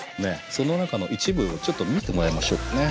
その中の一部をちょっと見てもらいましょうかね。